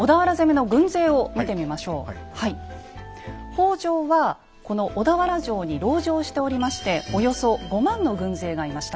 北条はこの小田原城に籠城しておりましておよそ５万の軍勢がいました。